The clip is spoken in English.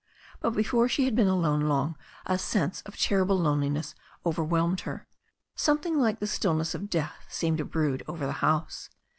But before she had been alone long a sense of terrible loneliness overwhelmed her. Something like the stillness of death seemed to brood over the house.